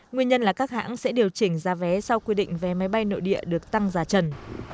nguyên nhân là các hãng sẽ điều chỉnh giá vé sau quy định vé máy bay nội địa được tăng giá trần